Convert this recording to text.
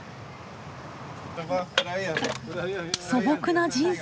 「素朴な人生」